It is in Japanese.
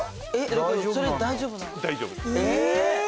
大丈夫。